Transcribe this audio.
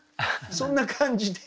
そんな感じで。